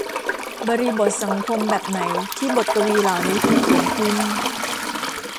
บริบทสังคมแบบไหนที่บทกวีเหล่านี้ถูกเขียนขึ้น